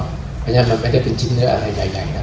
เพราะฉะนั้นมันไม่ได้เป็นชิ้นเนื้ออะไรใดนะ